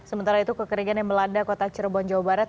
sementara itu kekeringan yang melanda kota cirebon jawa barat